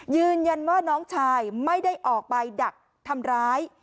ยืนยันว่าน้องชายไม่ได้ออกไปดักทำร้าย